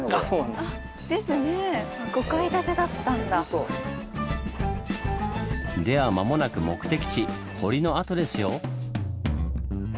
では間もなく目的地堀の跡ですよ！